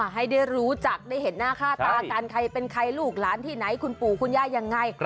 ให้ได้รู้จักได้เห็นหน้าค่าตากันใครเป็นใครลูกหลานที่ไหนคุณปู่คุณย่ายังไง